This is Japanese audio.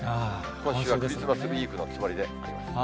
今週はクリスマスウイークのつもりでございます。